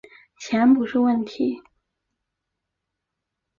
钱不是问题